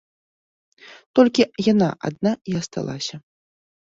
Толькі яна адна і асталася.